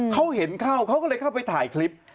เขาเห็นเข้าเขาก็เลยเข้าไปถ่ายคลิป